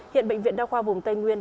hiện bệnh viện đao khoa vùng tây nguyên